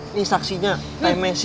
ini saksinya saya messi